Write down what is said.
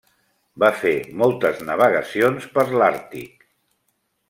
Va fer moltes navegacions per l'Àrtic.